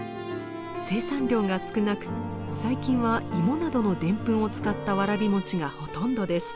生産量が少なく最近は芋などのデンプンを使ったわらび餅がほとんどです。